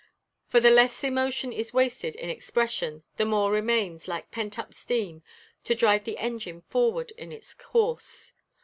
For the less emotion is wasted in expression, the more remains, like pent up steam, to drive the engine forward in its course.